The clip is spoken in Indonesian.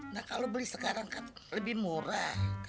nah kalau beli sekarang kan lebih murah